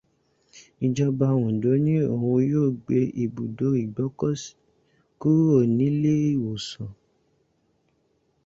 Ìjọba Òǹdo ní òun yóò gbé ibùdó ìgbókùsíí kúrò nílé ìwòsàn.